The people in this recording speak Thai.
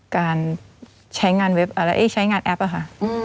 การใช้งานแอปค่ะ